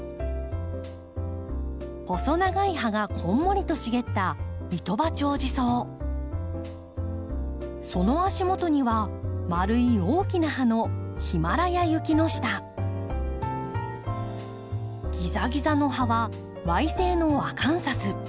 細長い葉がこんもりと茂ったその足元には円い大きな葉のギザギザの葉は矮性のアカンサス。